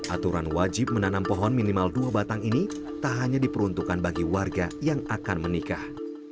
aturan wajib menanam pohon minimal dua batang ini tak hanya diperuntukkan bagi warga yang akan menikah